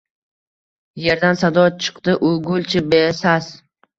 Yerdan sado chiqdi, u gul-chi, besas